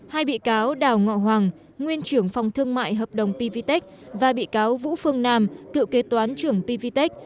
hai bị cáo đào ngo hoàng nguyên trưởng phòng thương mại hợp đồng pvtec và bị cáo vũ phương nam cựu kế toán trưởng pvtec